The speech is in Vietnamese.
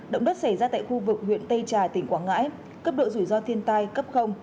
động đất xảy ra tại khu vực huyện tây trà tỉnh quảng ngãi cấp độ rủi ro thiên tai cấp